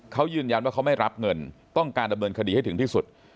เขายืนยันว่าเขาไม่รับเงินต้องการดำเนินคดีให้ถึงที่สุด